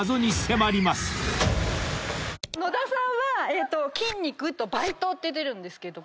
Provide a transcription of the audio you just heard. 野田さんは「筋肉」と「バイト」って出るんですけど。